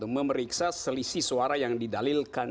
memeriksa selisih suara yang didalilkan